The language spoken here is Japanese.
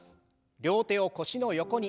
両手を腰の横に。